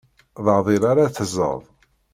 D aɛdil ara tẓeḍ.